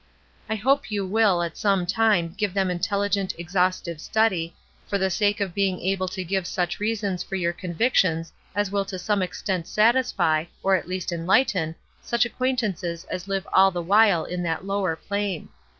I hope you will, at some time, give them intelligent, exhaustive study for the sake of being able to give such reasons 134 ESTER RIED^S NAMESAKE for your convictions as will to some extent satisfy, or at least enlighten, such acquaintances as live all the while on that lower plane.